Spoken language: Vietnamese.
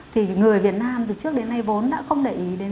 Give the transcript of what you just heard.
thì người việt nam từ trước đến nay vốn đã không để ý đến